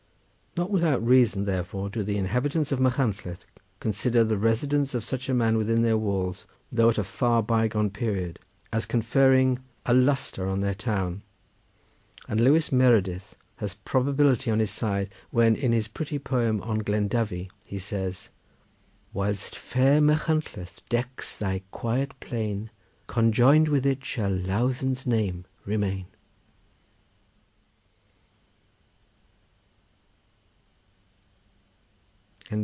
Not without reason, therefore, do the inhabitants of Machynlleth consider the residence of such a man within their walls, though at a far, bygone period, as conferring a lustre on their town, and Lewis Meredith has probability on his side when, in his pretty poem on Glen Dyfi, he says:— "Whilst fair Machynlleth decks thy quiet plain Conjoined with it shall Lawdden's name remain."